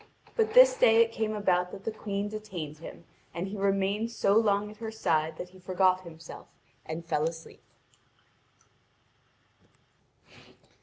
But this day it came about that the Queen detained him, and he remained so long at her side that he forgot himself and fell asleep.